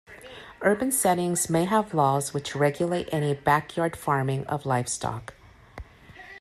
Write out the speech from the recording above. Urban settings may have laws which regulate any backyard farming of livestock.